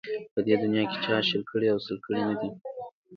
په دې دنیا کې چا شل کړي او سل کړي نه ده